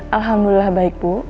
alhamdulillah baik bu